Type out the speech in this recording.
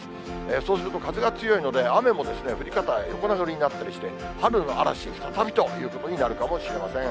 そうすると風が強いので、雨も降り方、横殴りになったりして、春の嵐再びということになるかもしれません。